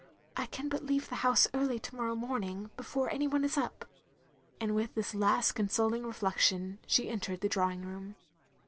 "I can but leave the house early to morrow morning, before any one is up, " and with this last consoling reflection she entered the drawing room.